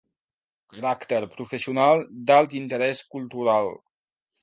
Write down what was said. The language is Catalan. Caràcter professional d'alt interès cultural.